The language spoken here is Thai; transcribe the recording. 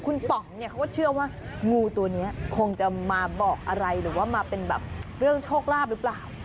คุณป๋องเนี่ยเขาก็เชื่อว่างูตัวนี้คงจะมาบอกอะไรหรือว่ามาเป็นแบบเรื่องโชคลาภหรือเปล่า